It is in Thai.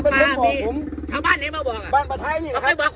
ประเทศของผมชาวบ้านไหนมาบอกบ้านปลาไทยนี่นะครับเขาไปบอก